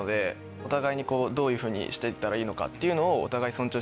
お互いにどういうふうにして行ったらいいのかっていうのを。